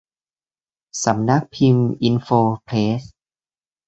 สำนักพิมพ์อินโฟเพรส